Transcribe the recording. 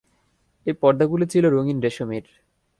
এর পর্দাগুলো ছিল রঙিন রেশমের।